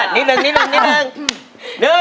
นิดนึง